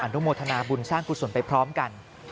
นุโมทนาบุญสร้างกุศลไปพร้อมกัน